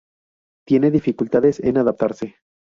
Tiene dificultades en adaptarse.